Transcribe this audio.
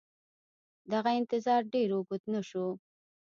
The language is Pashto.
دغه انتظار ډېر اوږد نه شو